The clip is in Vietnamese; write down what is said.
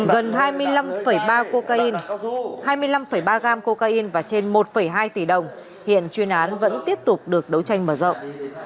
gần hai mươi năm ba gam cocaine và trên một hai tỷ đồng hiện chuyên án vẫn tiếp tục được đấu tranh mở rộng